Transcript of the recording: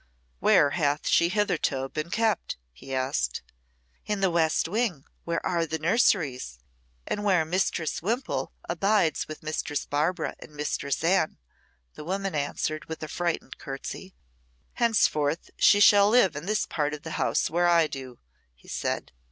"Where hath she hitherto been kept?" he asked. "In the west wing, where are the nurseries, and where Mistress Wimpole abides with Mistress Barbara and Mistress Anne," the woman answered, with a frightened curtsey. "Henceforth she shall live in this part of the house where I do," he said.